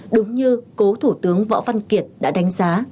đúng như cố thủ tướng võ văn kiệt đã đánh giá